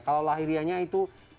kalau lahirianya itu